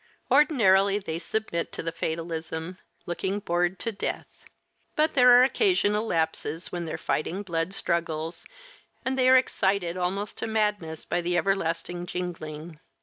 "] Ordinarily they submit to the fatalism, looking bored to death, but there are occasional lapses when their fighting blood struggles and they are excited almost to madness by the everlasting jingling.